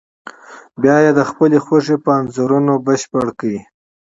بیا یې د خپلې خوښې په انځورونو بشپړ کړئ.